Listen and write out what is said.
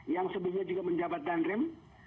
yang sebelumnya juga menjabat dan rem